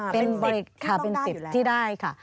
เป็นสิทธิ์ที่ได้ค่ะ